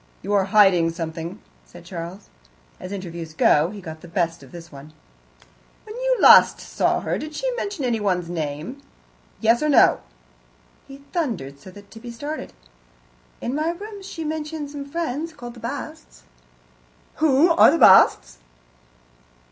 "You are hiding something," said Charles. As interviews go, he got the best of this one. "When you saw her last, did she mention anyone's name? Yes, or no!" he thundered, so that Tibby started. "In my rooms she mentioned some friends, called the Basts " "Who are the Basts?"